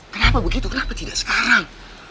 kenapa begitu kenapa tidak sekarang